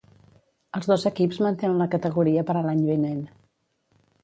Els dos equips mantenen la categoria per a l'any vinent.